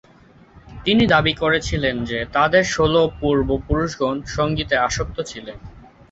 তিনি দাবী করেছিলেন যে, তাদের ষোল পূর্ব-পুরুষগণ সঙ্গীতে আসক্ত ছিলেন।